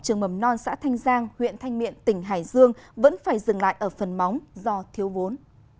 trường mầm non xã thanh giang huyện thanh miện tỉnh hải dương vẫn phải dừng lại ở phần móng do thiếu vốn